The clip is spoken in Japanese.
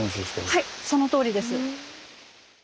はいそのとおりです。